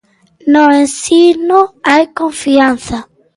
No Ensino hai confianza.